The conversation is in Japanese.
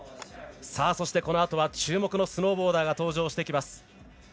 そして、このあとは注目のスノーボーダーが登場してきます。